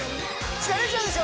疲れちゃうでしょ